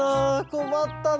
こまったな。